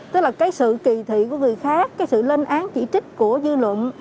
tức là cái sự kỳ thị của người khác cái sự lên án chỉ trích của dư luận